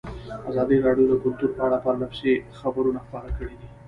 ازادي راډیو د کلتور په اړه پرله پسې خبرونه خپاره کړي.